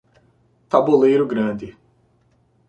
Taboleiro Grande